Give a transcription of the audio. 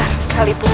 terima kasih bunda